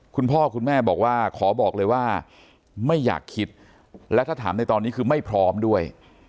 คุณพ่อคุณแม่บอกว่าขอบอกเลยว่าไม่อยากคิดและถ้าถามในตอนนี้คือไม่พร้อมด้วย